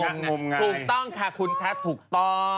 ถูกต้องค่ะคุณคะถูกต้อง